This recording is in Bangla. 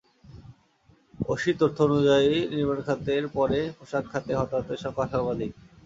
ওশির তথ্য অনুযায়ী, নির্মাণ খাতের পরে পোশাক খাতে হতাহতের সংখ্যা সর্বাধিক।